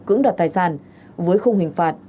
cưỡng đặt tài sản với không hình phạt